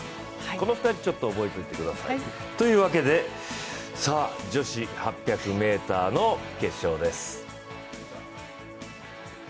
この２人、ちょっと覚えておいてください。というわけで、女子８００ｍの決勝です